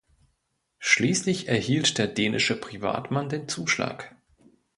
Schließlich erhielt der dänische Privatmann den Zuschlag.